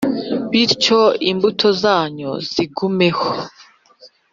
Bityo imbuto zanyu zigumeho